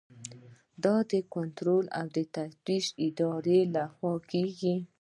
دا د کنټرول او تفتیش ادارې لخوا کیږي.